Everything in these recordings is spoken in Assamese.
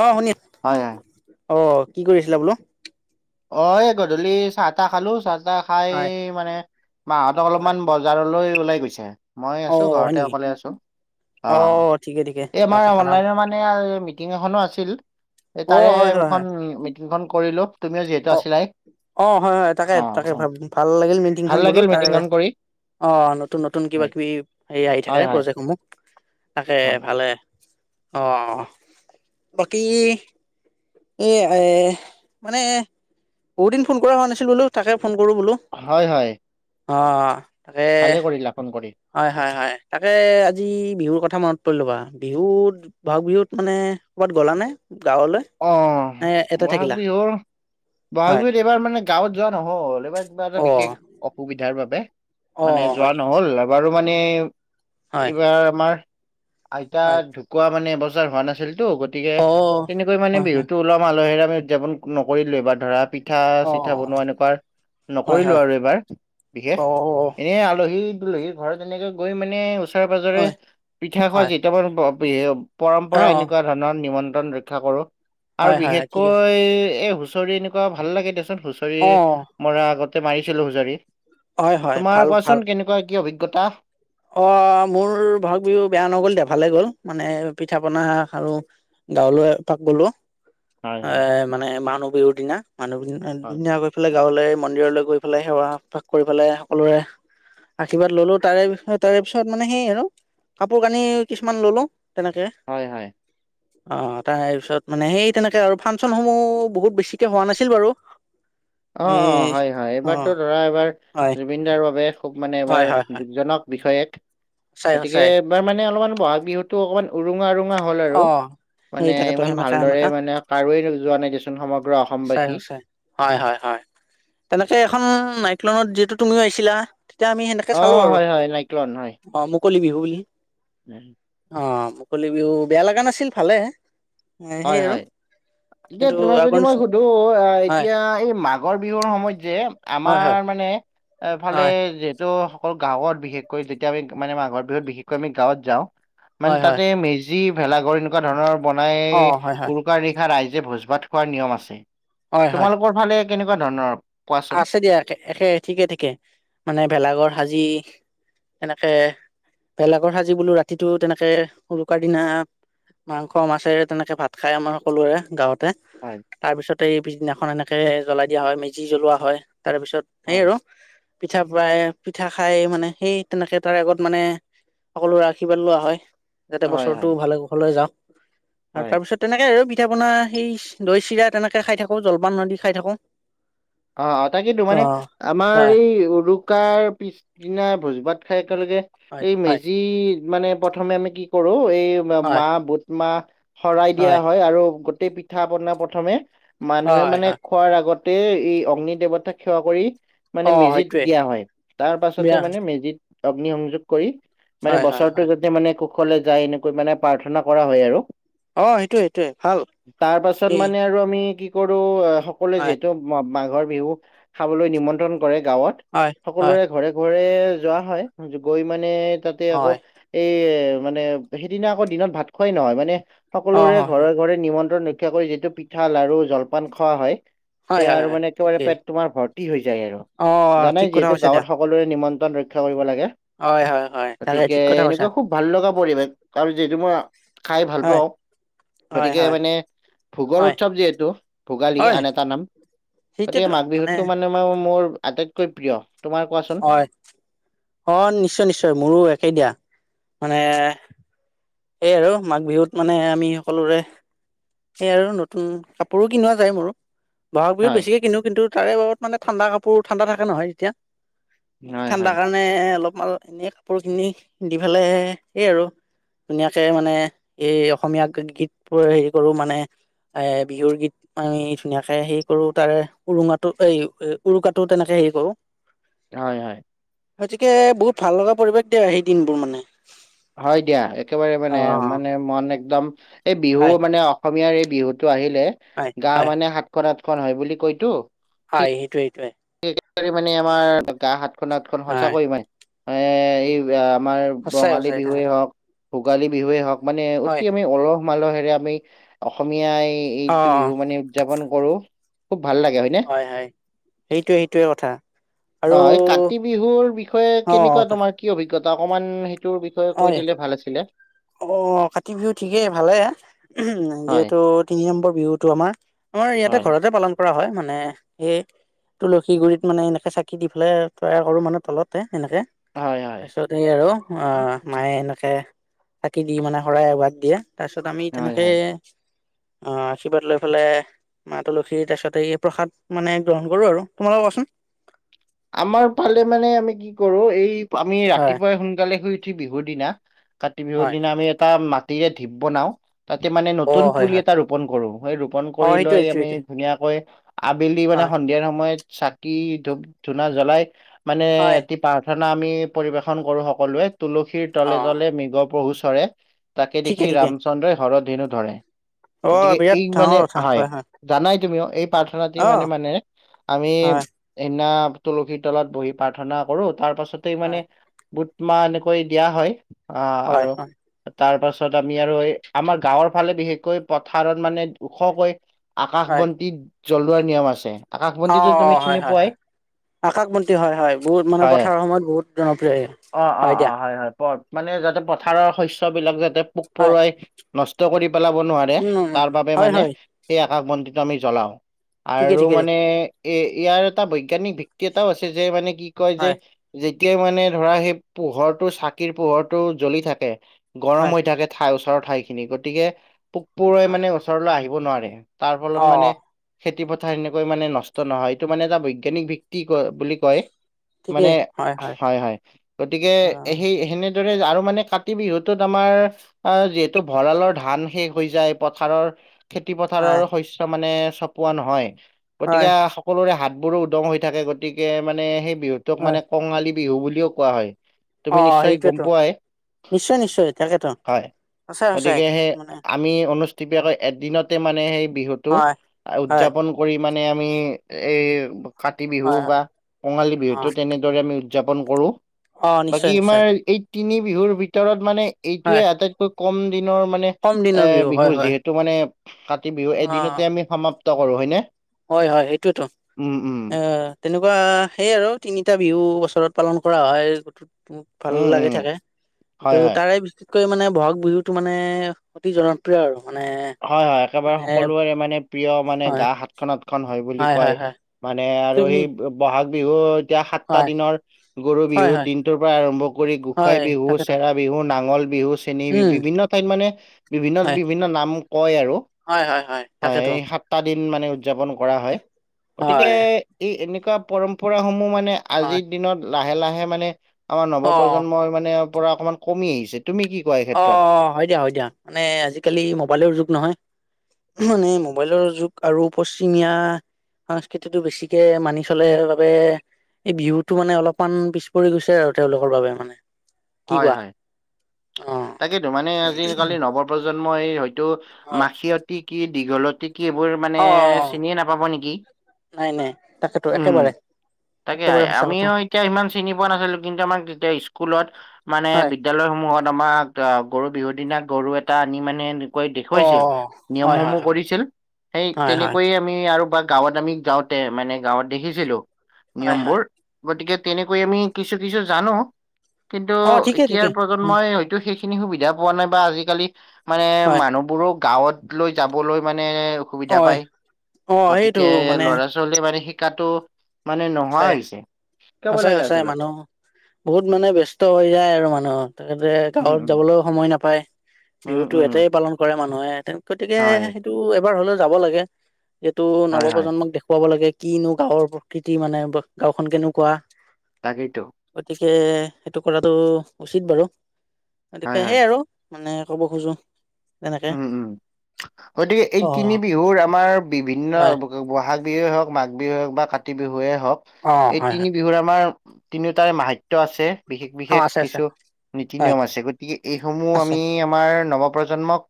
অ শুনি- হয় হয়। অ কি কৰিছিলা বোলো? অ এই গধূলি চাহ তাহ খালো চাহ তাহ খাই হয় মানে মাহঁতক হয় অলপমান বজাৰলৈ ওলাই গৈছে। মই অ আছো হয় ঘৰতে নেকি অকলে আছো অ। ঠিকে ঠিকে এই চাহ আমাৰ তাহ খালাম অনলাইন মানে মিটিং এখনো আছিল অ তাৰে হয় হয় হয় এখন মিট টিং খন কৰিলোঁ। অ অ হয় হয় তাকে অ', তাকে হয়। ভাল লাগিল ভাল মিটিংখন বোলো লাগিল তাৰে মিটিংখন কৰি। অ নতুন নতুন কিবা হয়, কিবি হেৰি আহি হয়, থাকে হয়। প্ৰজেক্টসমূহ তাকে ভালে অ বাকী এই এ মানে বহুতদিন ফোন কৰা হোৱা নাছিল বোলো তাকে ফোন কৰো বোলো। হয় হয়। অ তাকে সেই লাখন কৰি হয় হয় হয় তাকে আজি বিহুৰ কথা মনত পৰিল বা বিহুত বহাগ বিহুত মানে ক'বাত গ'লা নে গাঁৱলৈ? অ নে ইয়াতে থাকিলা বহাগ বিহুৰ বহাগ হয় বিহুত এইবাৰ মানে গাঁৱত যোৱা নহ'ল এইবাৰ কিবা এটা অ বিশেষ অসুবিধাৰ বাবে অ মানে যোৱা হয় নেকি নহল এবাৰু মানে হয় এইবাৰ আমাৰ আইতা হয় ঢুকুৱোৱা মানে এবছৰ হোৱা নাছিলতো গতিকে অ এইবাৰ মানে হয় হয় বিহুটো ওলহ মালহেৰে আমি উদযাপন নকৰিলো ধৰা পি- পিঠা অ চিঠা বনোৱা এনেকুৱা হয় নকৰিলো হয় আৰু এবাৰ অ বিশেষ। এনেই আলহী দুলহী ঘৰত এনেকে গৈ মানে ওচৰে পাজৰে হয় পিঠা খোৱা হয় [unintelligible] অ পৰম্পৰা এনেকুৱা ধৰণৰ নিমন্ত্ৰণ ৰক্ষা কৰো হয় আৰু হয় হয় ঠিকে বিশেষকৈ এই হুঁচৰি এনে কুৱা ভাল লাগে দেচোন হুঁচৰি অ মৰা আগতে মাৰিছিলো হুঁচৰি। হয় হয় তোমাৰ ভাল ভাল কোৱাচোন কেনেকুৱা কি অভিজ্ঞতা? অ মোৰ বহাগ বিহু বেয়া নগ'ল দে ভালে গ'ল মানে পিঠা পনা খালো। গাঁৱলৈ এপাক গলো, হয় হয় এ মানে মানুহ বিহুৰ দিনা মানুহ। বিহু হয় দিনা গৈ ইফালে গাঁৱলে মন্দিৰলে গৈ পেলাই সেৱা এভাগ কৰি পেলাই সকলোৰে আশীৰ্বাদ ললোঁ তাৰে পিছত তাৰে পিছত মানে সেই আৰু কাপোৰ কানি কিছুমান ললোঁ। তেনেকে হয় হয় অ তাৰপিছত মানে সেই তেনেকে আৰু ফাংচনসমূহ বহুত বেছিকে হোৱা নাছিল বাৰু। অ এ অ হয় হয় অ এইবাৰতো ধৰা এবাৰ হয় জুবিন দাৰ বাবে খুব মানে এবাৰ হয় হয় হয় দুখজনক বিষয় এক। সঁচাই গতিকে সঁচাই এইবাৰ মানে অলপমান বহাগ বিহুতো অকমান উৰুঙা উৰু হল আৰু অ মানে সেই তাকেতো ইমান সেমেকা ভালদৰে সেমেকা মানে কাৰো যোৱা নাই দেচোন সমগ্ৰ অস- সচাই সচাই হয় হয় হয় তেনেকে এখন মাইক্লনত যিহেতু তুমিও আহিছিলা এতিয়া আমি সেনেকে চালো অ', আৰু হয়, হয়, নাইক্লন হয়। অ মুকলি বিহু বুলি [unintelligible] অ মুকলি বিহু বেয়া লগা নাছিল ভালে সেই হয় আৰু হয় এতিয়া কিন্তু তোমাক আগৰ যদি মই নিচিনা সু ধো হয় এতিয়া এই মাঘৰ বিহুৰ সময়ত যে হয় হয় আমাৰ মানে এফালে হয় যিহেতু অকল গাঁৱত বিশেষকৈ যেতিয়া আমি মানে মাঘৰ বিহুত বিশেষকৈ আমি গাঁৱত যাওঁ হয় মানে হয় তাতে মেজি ভেলাঘৰ এনেকুৱা ধৰণৰ অ বনাই হয় হয় উৰুকা নিশা ৰাইজে ভোজ ভাত খোৱাৰ নিয়ম আছে হয় হয় তোমালোকৰ ফালে কেনেকুৱা ধৰণৰ কোৱাচোন আছে দিয়া একে ঠিকে ঠিকে মানে ভেলাঘৰ সাজি সেনেকে ভেলাঘৰ সাজি বোলো ৰাতিটো তেনেকে উৰুকাৰ দিনা মাংস মাছেৰে তেনেকে ভাত খায় আমাৰ সকলোৰে গাঁৱতে হয় তাৰ পিছতে এই পিছদিনাখন এনেকে জ্বলাই দিয়া হয় মেজি জ্বলোৱা হয় তাৰপিছত সেই হয় আৰু পিঠা পাৰোই পিঠা খাই মানে সেই তেনেকে তাৰ আগত মানে সকলোৰে আশীৰ্বাদ লোৱা হয়। যাতে হয় হয় বছৰটো ভালে কুশলে যাওক আৰু হয় তাৰ পিছত তেনেকে আৰু পিঠা পনা সেই দৈ চিৰা তেনেকে খাই থাকো জলপান আদি খাই থাকো। অ তাকেইটো মানে অ আমাৰ হয় এই উৰুকাৰ পিছদিনা ভোজ ভাত খাই একেলগে হয় এই হয় মেজি মানে প্ৰথমে আমি কি কৰো এই হয় মা বুট মাহ শৰাই দিয়া হয় আৰু গোটেই পিঠা পনা প্ৰথমে মানুহে হয় মানে হয় খোৱাৰ আগত তেই এই অগ্নি দেৱতাক সেৱা কৰি মানে অ মেজিত সেইটোৱে দিয়া হয় তাৰ পাছতে বিয়া মানে মেজিত অগ্নি সংযোগ কৰি মানে হয় হয় বছৰটো হয় যাতে মানে কুশলে যায় এনেকৈ মানে প্ৰাৰ্থনা কৰা হয় আৰু অ সেইটোৱে সেইটোৱে ভাল তাৰ পাছত এ মানে আৰু আমি কি কৰো সকলোৱে হয়, যিহেতু মাঘৰ বিহু খাবলৈ নিমন্ত্ৰণ কৰে গাঁৱত হয়, হয়, সকলোৰে ঘৰে ঘৰে যোৱা হয় গৈ মানে তাতে আকৌ হয়, এই মানে সেইদিনা আকৌ দিনত ভাত খোৱাই নহয় মানে অ', সকলোৰে হয়, ঘৰে ঘৰে নিমন্ত্ৰণ ৰক্ষ ৰক্ষা কৰি যিটো পিঠা, লাৰু, জলপান খোৱা হয় হয় সেয়া হয় আৰু হয় মানে একেবাৰে ঠিকেই। পেট তোমাৰ ভৰ্তি হৈ যায় আৰু অ', ঠিক জানাই কথা যিহেতু কৈছা দিয়া, গাঁৱত সকলোৰে নিমন্ত্ৰণ ৰক্ষা কৰিব লাগে। হয় হয় হয় তাকে গতিকে ঠিক কথা কৈছা, এনেকুৱা খুব ভাল লগা পৰিৱেশ আৰু যিহেতু মই খাই ভাল হয়, পাওঁ হয়, গতিকে হয়, মানে ভোগৰ হয়, উৎসৱ যিহেতু ভোগালী হয়, আন এটা নাম গতিকে মাঘ বিহুতটো মানে মোৰ আটাইতকৈ প্ৰিয় তোমাৰ কোৱাচোন হয় অ নিশ্চয় নিশ্চয় মোৰো একে দিয়া মানে এইয়াই আৰু মাঘ বিহুত মানে আমি সকলোৰে এই আৰু নতুন কাপোৰো কিনোৱা যায় মোৰ বহাগ বিহুত হয় বেছিকে কিনো কিন্তু কাৰে বাবত মানে ঠাণ্ডা কাপোৰ ঠাণ্ডা থাকে নহয় এতিয়া হয় ঠাণ্ডা হয় কাৰণে মানে অলপমান এনেই কাপোৰখিনি দি পেলাই সেই আৰু ধুনীয়াকে মানে এই অসমীয়া গীতবোৰ হেৰি কৰো মানে এ বিহুৰ গীত আমি ধুনীয়াকে হেৰি কৰো তাৰে উৰুঙাটো এই উৰুকাটো তেনেকে হেৰি কৰো হয় হয় গতিকে বহুত ভাল লগা পৰিৱেশ দিয়ে সেই দিনবোৰ মানে হয় দিয়া একেবাৰে অ মানে মানে মন একদম এই বিহু হয় মানে অসমীয়াৰ এই বিহুটো আহিলে, হয় গাওঁ হয় মানে সাতখন আঠখন হয় বুলি কয়টো। হয়। সেইটোৱে এইটোৱে। একে মানে আমাৰ গা সাতখন সাতখন হয় সঁচাকৈ মানে এ এই আমাৰ সঁচাই বঙালী সঁচাই বিহুৱে তেনেকা হওক ভোগালী বিহুৱে হওক মানে অতি হয় আমি অলহ মালহেৰে আমি অসমীয়া এই অ এইটো বিহু মানে উদযাপন কৰোঁ। খুব ভাল লাগে হয় নে হয় হয়। সেইটোৱে সেইটোৱে কথা। আৰু অ এই কাতি বিহুৰ বিষয়ে অ কেনেকুৱা তাক তোমাৰ কি অভিজ্ঞতা অকণমান কৈ হয় দিলে ভাল আছিলে। অ কাতি বিহু ঠিকেই ভালে। উম হয় যিহেতু তিনি নম্বৰ বিহুটো আমাৰ। আমাৰ ইয়াতে হয় ঘৰতে পালন কৰা হয়। মানে সেই তুলসী গুৰিত মানে এনেকে চাকি দি পেলাই তৈয়াৰ কৰোঁ। মানে তলতে এনেকে। হয় হয় তাইছত সেই আৰু অ এনেকে চাকি দি মানে শৰাই এভাগ দিয়ে। তাৰ পিছত আমি হয় তেনেকে হয় আহ। আশীৰ্বাদ লৈ পেলাই মা তুলসীৰ তাৰপিছত এই প্ৰসাদ মানে গ্ৰহণ কৰোঁ আৰু তোমালোকৰ কোৱাচোন? আমাৰ ফালে মানে আমি কি কৰোঁ। এই আমি হয় ৰাতিপুৱাই সোনকালে শুই উঠি বিহু দিনা কাতি বিহুৰ হয় দিনা আমি এটা মাটিৰে ঢিপ বনাও তাতে মানে অ নতুন হয় পুলি হয় এটা ৰোপন কৰোঁ। সেই ৰোপন অ কৰি লৈ সেইটোৱে আমি সেইটোৱে ধুনীয়াকৈ আবেলি মানে হয় সন্ধিয়াৰ সময়ত চাকি ধূপ ধূনা জ্বলাই মানে হয় ৰাতি প্ৰাৰ্থনা আমি পৰিবেশন কৰোঁ। সকলোৱে তুলসীৰ অ তলে তলে মৃগ পহু চৰে তাকে ঠিকে দেখি ঠিকে ৰামচন্দ্ৰই হৰ ধেনু ধৰে। অ গতিকে বিৰাট এই ডাঙৰ মানে কথা হয়। জানাই তুমিও এই প্ৰাৰ্থনাতি অ মানে মানে আমি হয় সেইদিনা তুলসীৰ তলত বহি প্ৰাৰ্থনা কৰোঁ। তাৰ পাছতেই মানে হয় বুট মাহ এনেকৈ দিয়া হয়। আহ হয় আৰু হয় তাৰ পাছত আমি আৰু এই আমাৰ গাঁৱৰ ফালে বিশেষকৈ পথাৰত মানে ওখকৈ আকাশ হয় বন্তিত জ্বলোৱাৰ নিয়ম আছে। আকাশ বন্তিতো তুমি চিনি পোৱাই আকাশবন্তি হয় হয়। বহুত মানে হয় হয় পথাৰৰ সময়ত বহুত জনপ্ৰিয় অ', অ', হয় দিয়া। অ', হয় হয়। পৰ মানে যাতে পথাৰৰ শস্যবিলাক যাতে পোক হয় পৰুৱাই নষ্ট কৰি পেলাব নোৱাৰে। উম তাৰ বাবে হয় মানে হয় সেই আকাশ বন্তিটো আমি জ্বলাও। ঠিকে আৰু ঠিকে মানে এ ইয়াৰ এটা বৈজ্ঞানিক কেইটাও আছে যে মানে কি কয় যে হয় যেতিয়াই মানে ধৰা সেই পোহৰটো চাকিৰ পোহৰটো জ্বলি থাকে। গৰম হয় হৈ থাকে। ঠাই ওচৰৰ ঠাইখিনি, গতিকে পোক পৰুৱাই হয় মানে ওচৰলৈ আহিব নোৱাৰে। তাৰ ফলত অ মানে খেতি পথাৰ এনেকৈ মানে নষ্ট নহয়। এইটো মানে এটা বৈজ্ঞানিক কি ক বুলি কয়, মানে হয় হয়। গতিকে অ সেই সেনে দৰে আৰু মানে কাতি বিহুটোত আমাৰ আহ যিহেতু ভঁৰালৰ ধান শেষ হৈ যায়। পথাৰৰ খেতি পথাৰৰ হয় শস্য মানে চপোৱা নহয়। হয় গতিকে সকলোৰে হাতবোৰো উদং হৈ থাকে। গতিকে মানে সেই বিহুটোক হয় মানে কঙালী বিহু বুলিও কোৱা হয়। তুমি অ নিশ্চয় গম সেইটোয়েতো পোৱাই, নিশ্চয় নিশ্চয় তাকেতো হয়। সঁচাই সঁচাই গতিকে সেই মানে আমি অনুষ্টুপীয়াকৈ এদিনতে মানে সেই বিহুটো হয় হয় উদযাপন কৰি মানে আমি এই কাতি বিহু হয় বা হয় কঙালী অ বিহুটো তেনে দৰে আমি উদযাপন কৰোঁ। অ বাকী নিশ্চয় নিশ্চয় আমাৰ এই তিনি বিহুৰ ভিতৰত মানে এইটোয়ে হয় আটাইতকৈ কম দিনৰ মানে কম এ দিনৰ হয় বিহু হয় যিহেতু মানে কাতি বিহু অ এদিনতে আমি সমাপ্ত কৰোঁ। হয়নে? হয় হয়। সেইটোৱেতো উম উম এ তেনেকুৱা সেই আৰু তিনিটা বিহু বছৰত পালন কৰা হয়। ভাল উম লাগি উম থাকে। কিন্তু হয় হয় তাৰে আটাইতকৈ মানে বহাগ বিহুটো মানে অতি জন প্ৰিয় আৰু মানে হয়, হয়। একেবাৰে মানে সকলোৰে মানে, প্ৰিয় মানে, হয় গা হাত হাত খন, আঠ খন হয় বুলি হয় কয়। হয় মানে আৰু তুমি সেই, বহাগ বিহুত এতিয়া, সাতটা হয়, দিনৰ গৰু হয়, বিহু হয়, দিনটোৰ পৰা আৰম্ভ কৰি গোঁসাই হয়, বিহু, তাকেতো চেৰা বিহু, নাঙল বিহু, চেনী বিহু। উম, বিভিন্ন ঠাইত মানে, বিভিন্ন, হয়, বিভিন্ন নাম কয় আৰু। হয়, হয়, হয়! তাকেতো সাতটা দিন মানে, উদযাপন কৰা হয়। গতিকে, হয়, এই, এনেকুৱা পৰম্পৰা সমূহ মানে, হয়, আজিৰ দিনত লাহে, লাহে মানে আমাৰ অ', নৱপ্ৰজন্মই মানে, পৰা অকণমান কমি আহিছে। তুমি কি কোৱা এই ক্ষেত্ৰত? অ'! হয় দিয়া! হয় দিয়া! মানে, আজিকালি মোবাইলৰ যুগ নহয়। উম, [unintelligible] মবাইলৰ যুগ আৰু পশ্চিমীয়া সংস্কৃতিটো বেছিকে মানি চলে বাবে এই বিহুটো মানে, অলপমান পিছ পৰি গৈছে আৰু তেওঁলোকৰ বাবে মানে। কি হয়! কোৱা হয়! অ', তাকেইতো! মানে, আজিকালি নৱ প্ৰজন্মই এই হয়তো হয়, মাখিয়ত তী কি? দীঘলতি কি? এইবোৰ মানে অ', চিনিয়ে নাপাব নেকি? নাই, তাকেতো! উম একেবাৰে। তাকে, একেবাৰে সঁচা কথা আমিও এতিয়া সিমান চিনি পোৱা নাছিলোঁ। কিন্তু, আমাক তেতিয়া স্কুলত মানে, হয়, বিদ্যালয়সমূহত আমাক গৰু বিহুৰ দিনা গৰু এটা আনি মানে, অ', দেখোৱাইছিল, নিয়ম হয়, হয়, সমূহ হয়, কৰিছিল। সেই, হয়, হয়, তেনেকৈয়ে আমি আৰু বা গাঁৱত আমি, যাওঁতে মানে, গাঁৱত দেখিছিলোঁ হয়, হয়, নিয়মবোৰ। গতিকে, তেনেকৈ আমি কিছু, কিছু জানোঁ। কিন্তু, অ', ঠিকে, এতিয়া ঠিকে প্ৰ হয়, প্ৰজন্মই হয়তো সেইখিনি সুবিধা পোৱা নাই, বা আজিকালি মানে, হয়। মানুহবোৰো গাঁৱত লৈ যাবলৈ মানে, অসুবিধা অয় পায়। অ সেইটো গতিকে, মানে ল'ৰা ছোৱালী মানে শিকাটো মানে, নোহোৱা সঁচাই হৈছে। শিকাব সঁচাই লাগে সঁচাই আচলতে! মানুহ বহুত মানে, ব্যস্ত হৈ যায় আৰু মানুহ। [unintelligible] উম, গাঁৱত উম, যাবলৈও সময় নাপায়। উম, বিহুতো উম, ইয়াতেই পালন কৰে মানুহে। গতিকে, হয়, সেইটো এবাৰ হ'লেও যাব লাগে। যিহেতু, হয়, হয়, নৱপ্ৰজন্মক দেখুৱাব লাগে! কিনো গাঁৱৰ প্ৰকৃতি মানে, গাঁওখন কেনেকুৱা? তাকেইতো! গতিকে, সেইটো কৰাটো উচিত বাৰু। হয়, গতিকে, হয়, সেই আৰু মানে, ক'ব খোজোঁ উম! উম! গতিকে, এই অ তিনি বিহুৰ আমাৰ বিভিন্ন হয় ব'হাগ বিহুৱেই হওঁক, মাঘ বিহুৱে হওঁক বা কাতি বিহুৱে হওঁক। অ এই, হয় হয় তিনি বিহুৰ আমাৰ তিনিওটাৰে মাহাত্ম্য আছে। বিশেষ, অ বিশেষ আছে আছে কিছু, নীতি হয় নিয়ম আছে। গতিকে, এইসমূহ আছে আমি, আমাৰ নৱপ্ৰজন্মক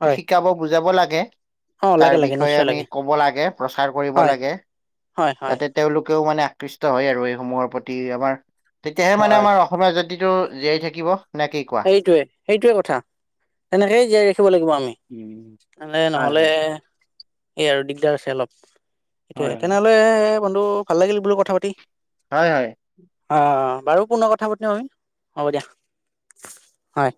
হয় শিকাব, বুজাব লাগে। অ তাৰ লাগে লাগে বিষয়ে নিশ্চয় আমি লাগে ক'ব লাগে। প্ৰচাৰ কৰিব হয় লাগে। হয় হয় যাতে, তেওঁলোকেও মানে, আকৃষ্ট হয় আৰু এইসমূহৰ প্ৰতি। আমাৰ, তেতিয়াহে মানে হয় আমাৰ অসমীয়া জাতিটো জীয়াই থাকিব। নে, কি ক সেইটোৱে, সেইটোৱে কথা। তেনেকেই জীয়াই ৰাখিব লাগিব আমি। উম, মানে হয় নহ'লে, হয় এই আৰু দিগদাৰ আছে অলপ! হয় সেইটোৱে! হয়। তেনেহ'লে, বন্ধু ভাল লাগিল বোলোঁ কথা পাতি! হয়! হয়! অ'! বাৰু পুনৰ কথা পতা হয়,? ঋহ'ব দিয়া। হয়!